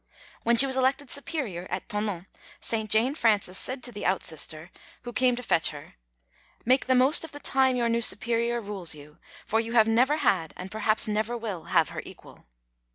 When she was elected Superior at Thonon St. Jane Frances said to the outsister who came to fetch her: "Make the most of the time your new Superior rules you, for you have never had and perhaps never will have her equal."